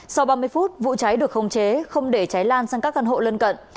sau ba mươi phút vụ cháy được khống chế không để cháy lan sang các căn hộ lân cận